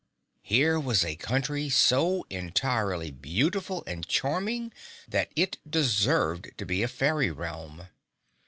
Here was a country so entirely beautiful and charming that it deserved to be a fairy realm.